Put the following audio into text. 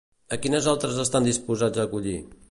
A quines altres estan disposats a acollir?